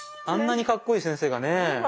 あんなにカッコいい先生がねぇ